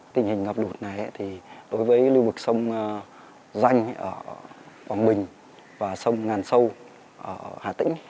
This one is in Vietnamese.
tình hình ngập lụt này thì đối với lưu vực sông danh ở quảng bình và sông ngàn sâu ở hà tĩnh